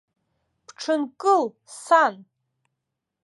Бҽынкыл, сан!